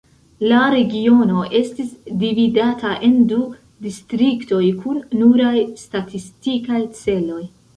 La regiono estis dividata en du distriktoj kun nuraj statistikaj celoj.